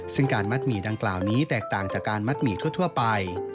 ซึ่งการมัดหมี่ดังกล่าวนี้แตกต่างจากการมัดหมี่ทั่วไป